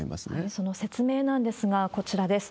その説明なんですが、こちらです。